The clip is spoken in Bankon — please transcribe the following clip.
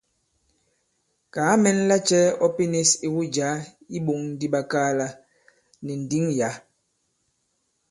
Kàa mɛn lacɛ̄ ɔ pinīs iwu jǎ i iɓōŋ di ɓakaala nì ndǐŋ yǎ.